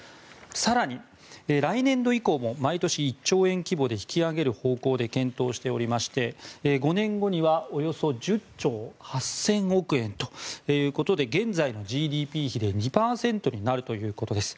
更に、来年度以降も毎年１兆円規模で引き上げる方向で検討しておりまして５年後にはおよそ１０兆８００億円ということで現在のＧＤＰ比で２％になるということです。